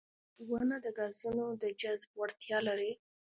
• ونه د ګازونو د جذب وړتیا لري.